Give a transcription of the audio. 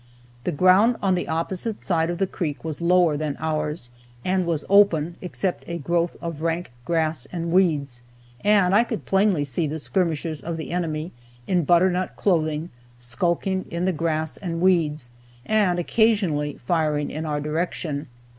The ground on the opposite side of the creek was lower than ours, and was open, except a growth of rank grass and weeds. And I could plainly see the skirmishers of the enemy, in butternut clothing, skulking in the grass and weeds, and occasionally firing in our direction.